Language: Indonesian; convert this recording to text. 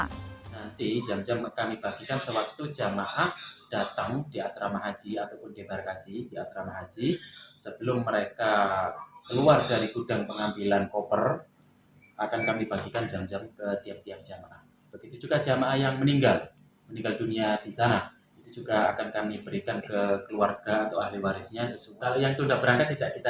kita bagikan jadi yang hanya kami bagikan hanya jemaah haji yang pulang dari arab saudi ke tanah air